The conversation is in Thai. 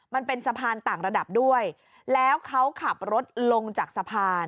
มันเป็นสะพานต่างระดับด้วยแล้วเขาขับรถลงจากสะพาน